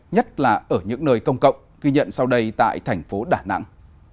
nhất là ở những nơi công cộng ghi nhận sau đây tại thành phố đà nẵng